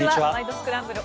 スクランブル」